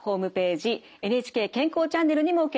「ＮＨＫ健康チャンネル」にも掲載されます。